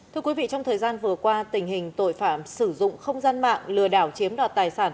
thưa quý vị trong thời gian vừa qua tình hình tội phạm sử dụng không gian mạng lừa đảo chiếm đoạt tài sản